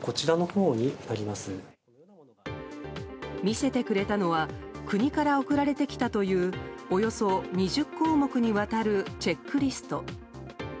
見せてくれたのは国から送られてきたというおよそ２０項目にわたるチェックリスト。